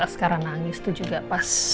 askara nangis tuh juga pas